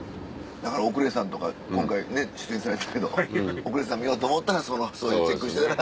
だからオクレさんとか今回ね出演されたけどオクレさん見ようと思ったらそのチェックしたら。